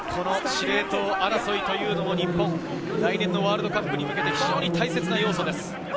司令塔争いというのも日本、来年のワールドカップに向けて非常に大切な要素です。